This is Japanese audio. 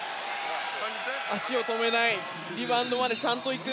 足を止めないリバウンドまでちゃんとする。